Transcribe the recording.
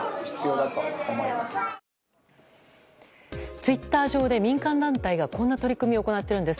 ツイッター上で民間団体がこんな取り組みを行っているんでです。